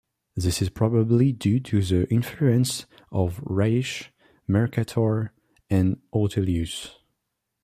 This is probably due to the influence of Ruysch, Mercator, and Ortelius.